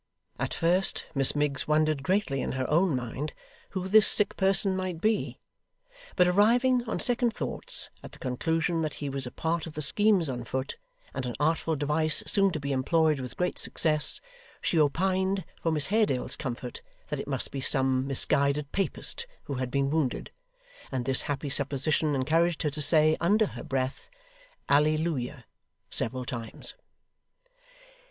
At first, Miss Miggs wondered greatly in her own mind who this sick person might be; but arriving, on second thoughts, at the conclusion that he was a part of the schemes on foot, and an artful device soon to be employed with great success, she opined, for Miss Haredale's comfort, that it must be some misguided Papist who had been wounded: and this happy supposition encouraged her to say, under her breath, 'Ally Looyer!' several times.